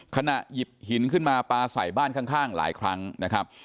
ขณะหยิบหินขึ้นมาปลาใส่บ้านข้างหลายครั้งนะครับ